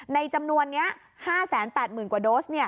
จำนวนนี้๕๘๐๐๐กว่าโดส